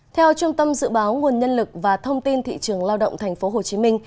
theo trung tâm dự báo nguồn nhân lực và thông tin thị trường lao động tp hcm